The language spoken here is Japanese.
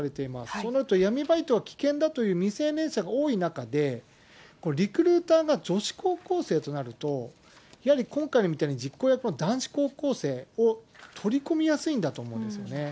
そうなると闇バイトは危険だという未成年者が多い中で、これ、リクルーターが女子高校生になると、やはり今回みたいに、実行役の男子高校生を取り込みやすいんだと思うんですよね。